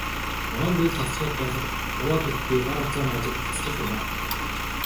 Ногоон гэрэл асчхаад байхад яваад өгөхгүй, гар утсаа маажаад гацчих юм аа.